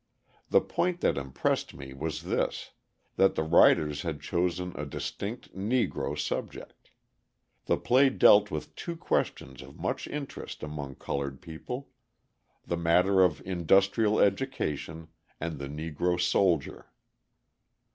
The point that impressed me was this, that the writers had chosen a distinct Negro subject. The play dealt with two questions of much interest among coloured people: the matter of industrial education, and the Negro soldier.